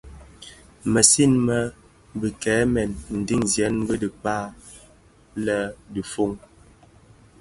Mësëňi mË bikekel mèn ndheňiyên bi dhikpag lè dofon.